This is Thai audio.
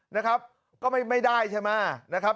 นะครับก็ไม่ได้นะครับ